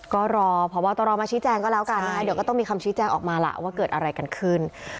ก็รอพบตรมาชี้แจงก็แล้วกันนะคะเดี๋ยวก็ต้องมีคำชี้แจงออกมาล่ะว่าเกิดอะไรกันขึ้น